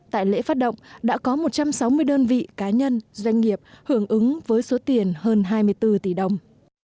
tại lễ phát động đã có một trăm sáu mươi đơn vị cá nhân doanh nghiệp hưởng ứng với số tiền hơn hai mươi bốn tỷ đồng